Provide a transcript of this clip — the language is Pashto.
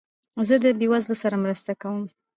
زه د بېوزلو سره مرسته کوم.